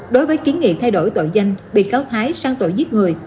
đối với kiến nghị thay đổi tội danh bị cáo thái sang tội giết người